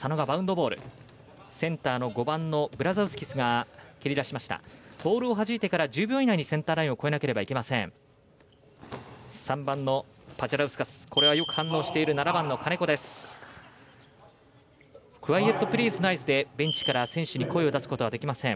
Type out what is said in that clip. ボールをはじいてから１０秒以内にセンターラインを越えなければいけません。